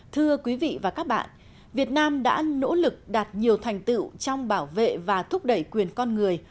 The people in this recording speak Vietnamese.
thưa quý vị và các bạn việt nam đã nỗ lực đạt nhiều thành tựu trong bảo vệ và thúc đẩy quyền con người